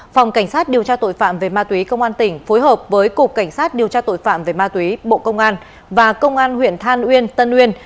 phòng cảnh sát điều tra tội phạm về ma túy công an tỉnh phối hợp với cục cảnh sát điều tra tội phạm về ma túy bộ công an và công an huyện than uyên tân uyên